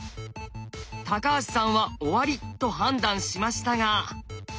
橋さんは「終わり」と判断しましたが。